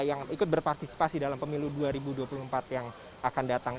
yang ikut berpartisipasi dalam pemilu dua ribu dua puluh empat yang akan datang